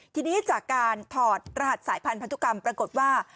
ทีนี้จากการถอดรหัสสายพันธุกรรมปรากฏว่า